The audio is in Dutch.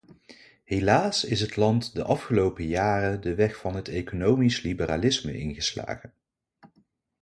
Helaas is het land de afgelopen jaren de weg van het economisch liberalisme ingeslagen.